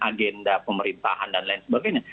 agenda pemerintahan dan lain sebagainya